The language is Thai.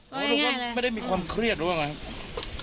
ว่าไม่ได้มีความเครียดหรือเปล่านะครับ